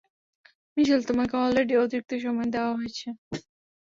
মিশেল, তোমাকে অলরেডি অতিরিক্ত সময় দেওয়া হয়েছে।